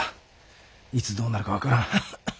いつどうなるか分からん。